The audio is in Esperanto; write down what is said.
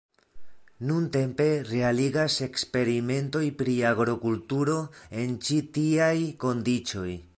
Nuntempe realigas eksperimentoj pri agrokulturo en ĉi tiaj kondiĉoj.